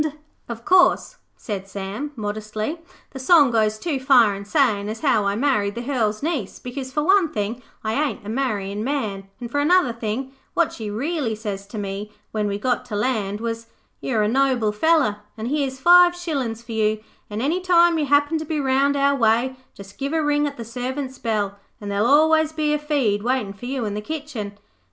'Of course,' said Sam modestly, 'the song goes too far in sayin' as how I married the Hearl's niece, because, for one thing, I ain't a marryin' man, and for another thing, what she really sez to me when we got to land was, "You're a noble feller, an' here's five shillin's for you, and any time you happen to be round our way, just give a ring at the servants' bell, and there'll always be a feed waitin' for you in the kitchen."